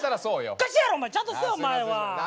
おかしいやろお前ちゃんとせえお前は。